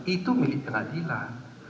itu milik pengadilan